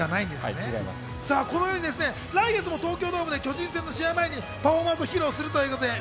来月も東京ドームで巨人戦の試合前にパフォーマンスを披露するということです。